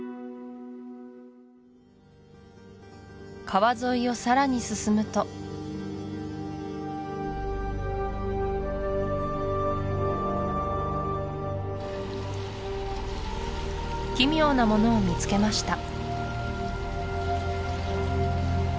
川沿いをさらに進むと奇妙なものを見つけました